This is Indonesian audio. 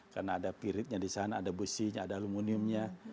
karena ada piritnya di sana ada businya ada aluminiumnya